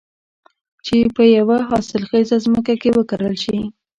چې په يوه حاصل خېزه ځمکه کې وکرل شي.